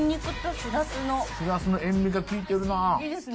シラスの塩味がきいてるなあいいですね